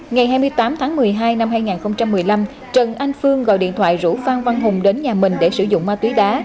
ngày hai mươi tám tháng một mươi hai năm hai nghìn một mươi năm trần anh phương gọi điện thoại rủ phan văn hùng đến nhà mình để sử dụng ma túy đá